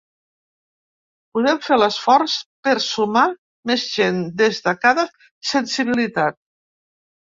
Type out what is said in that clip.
Podem fer l’esforç per sumar més gent des de cada sensibilitat.